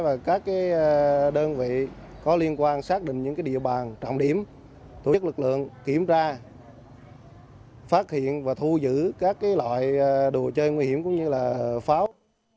và các đơn vị có liên quan xác định những địa bàn trọng điểm tổ chức lực lượng kiểm tra phát hiện và thu giữ các loại đồ chơi nguy hiểm cũng như là pháo